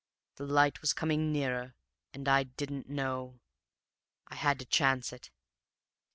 The light was coming nearer and I didn't know! I had to chance it.